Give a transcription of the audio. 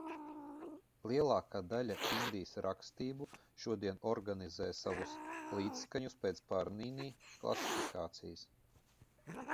Lielākā daļa Indijas rakstību šodien organizē savus līdzskaņus pēc Pārnini klasifikācijas.